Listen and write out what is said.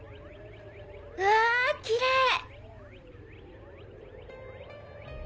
うわきれい！